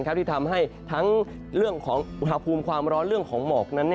ที่ทำให้ทั้งเรื่องของอุณหภูมิความร้อนเรื่องของหมอกนั้น